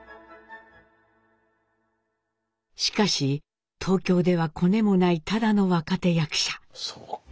しかし東京ではコネもないただの若手役者。